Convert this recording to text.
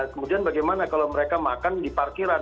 kemudian bagaimana kalau mereka makan di parkiran